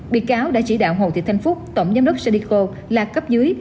bị cáo đã chỉ đạo hồ thị thanh phúc tổng giám đốc cdico là cấp dưới